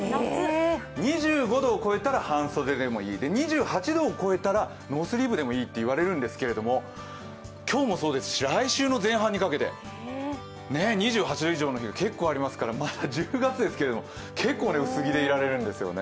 ２５度を超えたら半袖でもいい、２８度を超えたらノースリーブでもいいと言われるんですけど今日もそうですし、来週の前半にかけて２８度以上の日が結構ありますから、まだ１０月ですけれども、薄着でいられるんです。